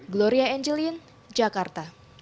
gloria angelin jakarta